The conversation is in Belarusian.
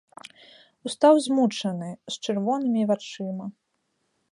Устаў змучаны, з чырвонымі вачыма.